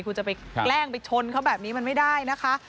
คุณจะไปแกล้งไปชนเขาแบบนี้มันไม่ได้นะคะ